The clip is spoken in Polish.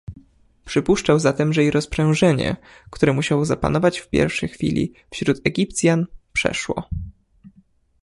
Przypuszczał zatem że i rozprzężenie, które musiało zapanować w pierwszy chwili wśród Egipcjan, przeszło.